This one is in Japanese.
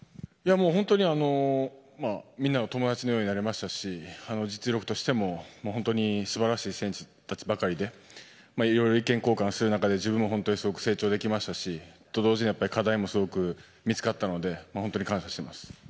本当に、みんなと友達のようになれましたし実力としても本当に素晴らしい選手たちばかりでいろいろ意見交換する中で自分も成長できましたし同時に課題も見つかったので本当に感謝しています。